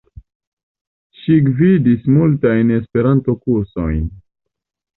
Ŝi gvidis multajn Esperanto-kursojn.